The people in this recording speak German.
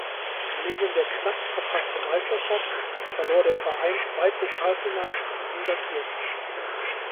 Neben der knapp verpassten Meisterschaft verlor der Verein zwei Pokalfinals in dieser Spielzeit.